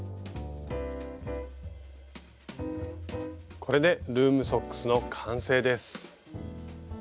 これでルームソックスの完成です。